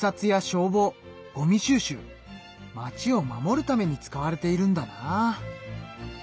町を守るために使われているんだな。